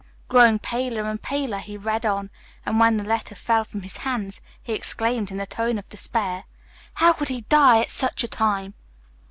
Growing paler and paler he read on, and when the letter fell from his hands he exclaimed, in a tone of despair, "How could he die at such a time!"